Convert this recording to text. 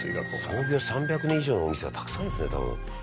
「創業３００年以上のお店がたくさんですね多分」